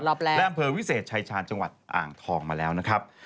และอำเภอวิเศษชายชาญจังหวัดอ่างทองมาแล้วนะครับ